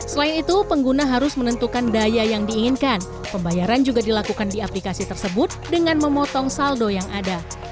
selain itu pengguna harus menentukan daya yang diinginkan pembayaran juga dilakukan di aplikasi tersebut dengan memotong saldo yang ada